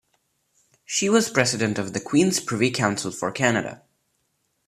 She was President of the Queen's Privy Council for Canada.